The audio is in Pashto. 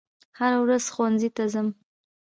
هره ورځ ښوونځي ته ځم